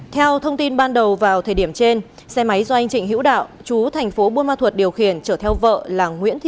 theo thông tin ban đầu vào thời điểm trên xe máy do anh trịnh hữu đạo chú thành phố buôn ma thuật điều khiển chở theo vợ là nguyễn thị